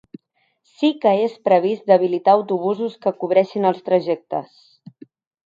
Sí que és previst d’habilitar autobusos que cobreixin els trajectes.